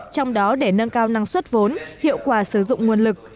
trong đó để nâng cao năng suất vốn hiệu quả sử dụng nguồn lực